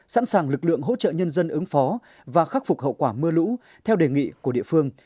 sẵn sàng lực lượng hỗ trợ nhân dân ứng phó và khắc phục hậu quả mưa lũ theo đề nghị của địa phương